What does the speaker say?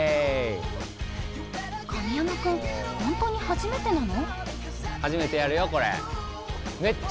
神山君、本当に初めてなの？